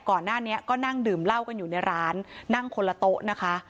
ก่อนหน้านี้ก็นั่งดื่มเหล้ากันอยู่ในร้านนั่งคนละโต๊ะนะคะ